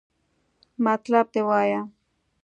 مطلب دې وایا!